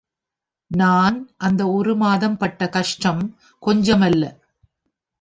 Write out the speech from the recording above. நான் அந்த ஒரு மாதம் பட்ட கஷ்டம் கொஞ்சமல்ல.